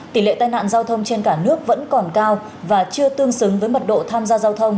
tỷ lệ tai nạn giao thông trên cả nước vẫn còn cao và chưa tương xứng với mật độ tham gia giao thông